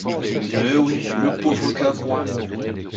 Mais oui, le pauvre Cavrois!